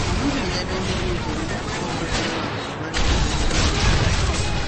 Omujjanjabi omulungi olina okusooka okulaba ng’omulwadde ali bulungi.